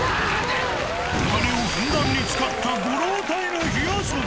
お金をふんだんに使ったご老体の火遊び。